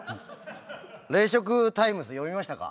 『冷食タイムス』読みましたか？